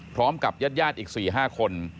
พร้อมกับญาติอีก๔๕คน